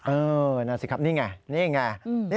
เออนั่นสิครับนี่ไงนี่ไง